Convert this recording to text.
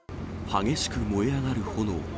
激しく燃え上がる炎。